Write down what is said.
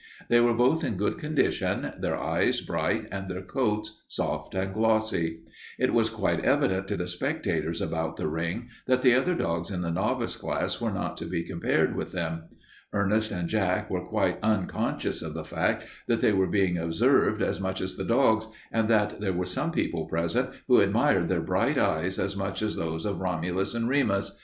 They were both in good condition, their eyes bright and their coats soft and glossy. It was quite evident to the spectators about the ring that the other dogs in the novice class were not to be compared with them. Ernest and Jack were quite unconscious of the fact that they were being observed as much as the dogs and that there were some people present who admired their bright eyes as much as those of Romulus and Remus.